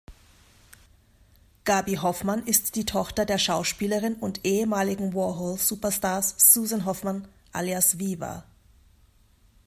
Gaby Hoffmann ist die Tochter der Schauspielerin und ehemaligen Warhol-Superstars Susan Hoffman alias Viva.